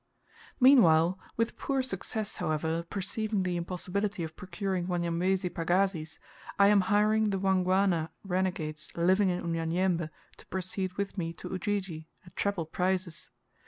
Meanwhile, with poor success, however, perceiving the impossibility of procuring Wanyamwezi pagazis, I am hiring the Wangwana renegades living in Unyanyembe to proceed with me to Ujiji, at treble prices.